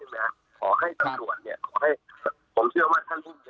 ผมเชื่อว่าท่านผู้จัดการสำรวจแจ้งเยาะจุก